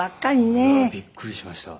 これはびっくりしました。